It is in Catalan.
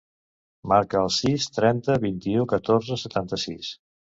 Marca el sis, trenta, vint-i-u, catorze, setanta-sis.